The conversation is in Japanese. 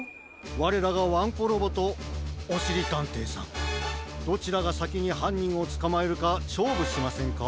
われらがワンコロボとおしりたんていさんどちらがさきにはんにんをつかまえるかしょうぶしませんか？